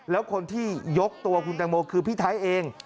แล้วคนที่ยกตัวคุณตังโมคือพี่ไทยเอง